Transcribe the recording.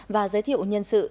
và giới thiệu nhân sự